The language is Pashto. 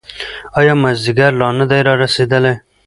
ایا مازیګر لا نه دی رارسېدلی؟